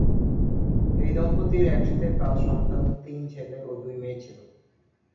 এই দম্পতির একসাথে পাঁচ সন্তান, তিন ছেলে ও দুই মেয়ে ছিল।